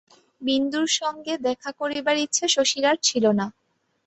বিন্দুর সঙ্গে দেখা করিবার ইচ্ছা শশীর আর ছিল না।